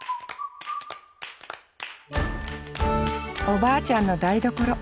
おばあちゃんの台所。